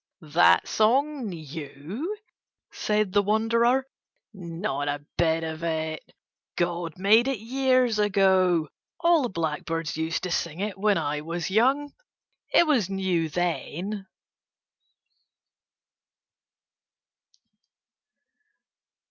"That song new?" said the wanderer. "Not a bit of it. God made it years ago. All the blackbirds used to sing it when I was young. It was new then."